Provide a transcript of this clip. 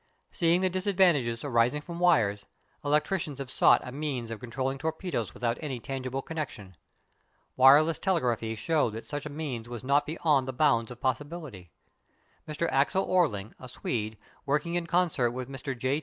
Seeing the disadvantages arising from wires, electricians have sought a means of controlling torpedoes without any tangible connection. Wireless telegraphy showed that such a means was not beyond the bounds of possibility. Mr. Axel Orling, a Swede, working in concert with Mr. J.